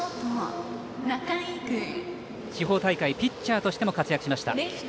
仲井、地方大会ピッチャーとしても活躍しました。